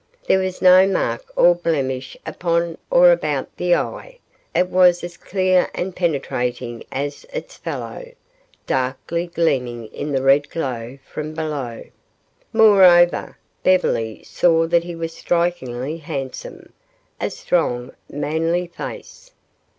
There was no mark or blemish upon or about the eye; it was as clear and penetrating as its fellow, darkly gleaming in the red glow from below. Moreover, Beverly saw that he was strikingly handsome a strong, manly face.